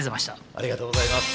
ありがとうございます。